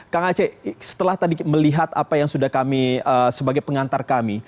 kang aceh setelah tadi melihat apa yang sudah kami sebagai pengantar kami